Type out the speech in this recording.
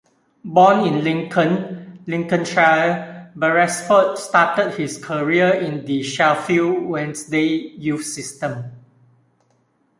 Born in Lincoln, Lincolnshire, Beresford started his career in the Sheffield Wednesday youth system.